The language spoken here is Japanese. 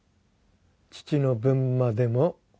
「父の分までも」